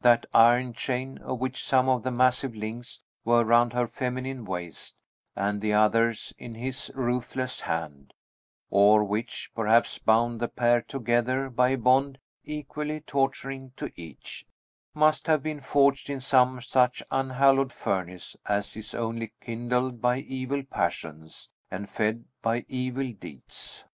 That iron chain, of which some of the massive links were round her feminine waist, and the others in his ruthless hand, or which, perhaps, bound the pair together by a bond equally torturing to each, must have been forged in some such unhallowed furnace as is only kindled by evil passions, and fed by evil deeds.